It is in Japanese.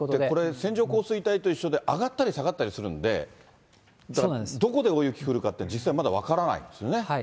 これ、線状降水帯と一緒で、上がったり下がったりするんで、どこで大雪降るかって、実際まだ分からないんですよね。